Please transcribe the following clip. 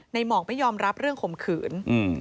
หมอกไม่ยอมรับเรื่องข่มขืน